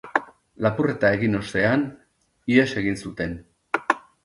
Lapurreta egin ostean, ihes egin zuten.